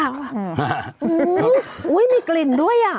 หื้มอุ้ยมีกลิ่นด้วยอ่ะ